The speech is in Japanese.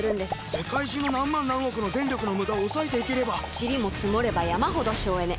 世界中の何万何億の電力のムダを抑えていければチリも積もれば山ほど省エネ。